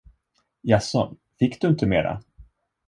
Jaså, fick du inte mera?